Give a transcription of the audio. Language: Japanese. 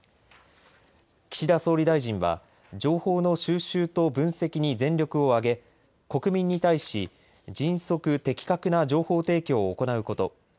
岸田総理大臣は、情報の収集と分析に全力を挙げ国民に対し迅速、的確な情報提供を行うこと